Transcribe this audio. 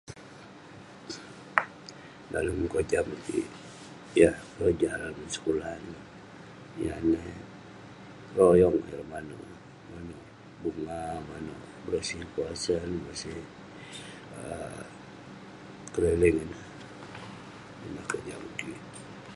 Dalem kojam kik, yah keroja dalem sekulah ineh..yan neh royong, ireh manouk bunga, manouk berosih kawasan ,berosi um keliling ineh..ineh kojam kik..